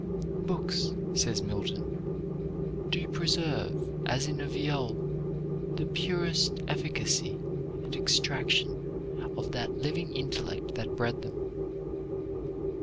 "Books," says Milton, "do preserve as in a violl, the purest efficacie and extraction of that living intellect that bred them.